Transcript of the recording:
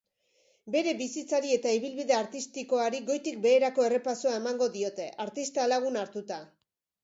Bere bizitzari eta ibilbide artistikoari goitik beherako errepasoa emango diote artista lagun hartuta.